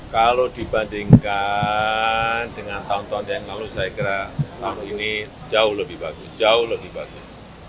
kalau dibandingkan dengan tahun tahun yang lalu saya kira tahun ini jauh lebih bagus jauh lebih bagus